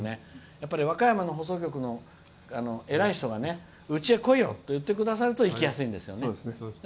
やっぱり和歌山の放送局の偉い人がうちへ来いよって言ってくださると行きやすいんですよね。